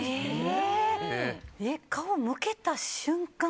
顔、向けた瞬間